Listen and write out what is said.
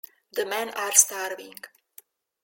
The men are starving.